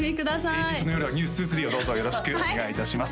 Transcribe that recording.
平日の夜は「ｎｅｗｓ２３」をどうぞよろしくお願いいたします